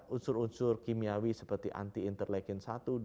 unsur unsur kimiawi seperti anti interleukin satu dua tiga empat